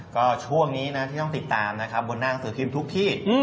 ก็ช่วงนี้นะที่ต้องติดตามนะครับบนหน้าหนังสือพิมพ์ทุกที่